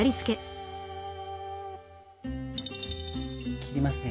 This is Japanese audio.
切りますね。